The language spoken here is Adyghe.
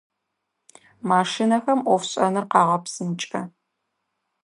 Машинэхэм ӏофшӏэныр къагъэпсынкӏэ.